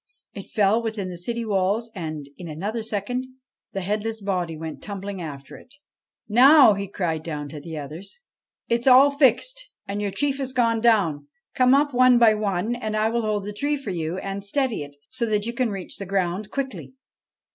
It fell within the city walls, and, in another second, the headless body went tumbling after it. ' Now,' he cried down to the others, ' it 's all fixed, and your chief has gone down. Come up one by one, and I will hold the tree for you, and steady it, so that you can reach the ground quickly.'